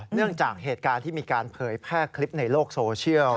เนื่องจากเหตุการณ์ที่มีการเผยแพร่คลิปในโลกโซเชียล